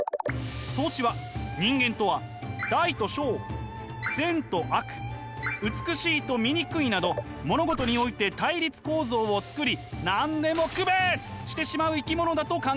荘子は人間とは大と小善と悪美しいと醜いなど物事において対立構造を作り何でも区別してしまう生き物だと考えました。